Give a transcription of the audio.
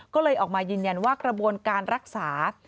ก็เลยออกมายืนยันว่ากระบวนการรักษา